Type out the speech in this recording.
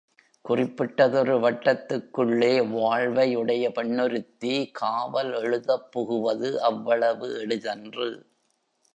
குறிப்பிட்டதொரு வட்டத்துக்குள்ளே வாழ்வை உடைய பெண்ணொருத்தி காவல் எழுதப் புகுவது அவ்வளவு எளிதன்று.